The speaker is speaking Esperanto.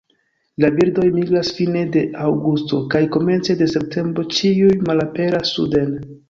La birdoj migras fine de aŭgusto kaj komence de septembro ĉiuj malaperas suden.